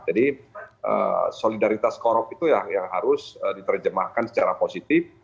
jadi solidaritas korup itu yang harus diterjemahkan secara positif